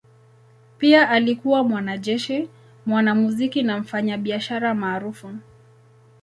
Pia alikuwa mwanajeshi, mwanamuziki na mfanyabiashara maarufu.